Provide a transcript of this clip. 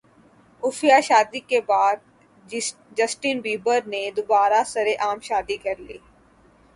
خفیہ شادی کے بعد جسٹن بیبر نے دوبارہ سرعام شادی کرلی